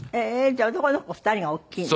じゃあ男の子２人が大きいの。